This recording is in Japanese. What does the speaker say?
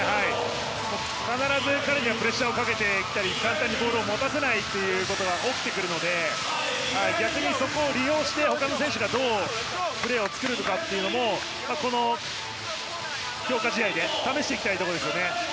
必ず彼にはプレッシャーをかけてきたり簡単にボールを持たせないということが起きてくるので逆にそこを利用して他の選手がどうプレーを作るかというのもこの強化試合で試していきたいところですね。